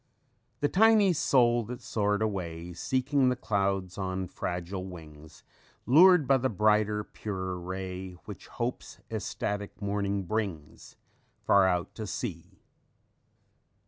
_ "_The tiny soul that soared away, Seeking the clouds on fragile wings, Lured by the brighter, purer ray Which hope's ecstatic morning brings Far out at sea.